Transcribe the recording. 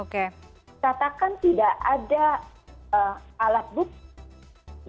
katakan tidak ada alat bukti